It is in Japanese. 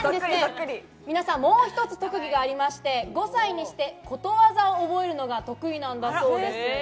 もう一つ特技がありまして、５歳にして、ことわざを覚えるのが得意なんだそうです。